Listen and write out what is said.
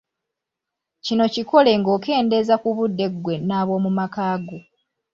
Kino kikole ng’okeendeeza ku budde ggwe n’ab’omu makaago.